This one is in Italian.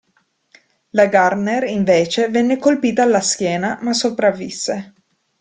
La Gardner, invece, venne colpita alla schiena, ma sopravvisse.